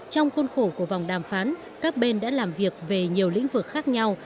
trong khuôn khổ của vòng đàm phán các bên đã làm việc về nhiều lĩnh vực khác nhau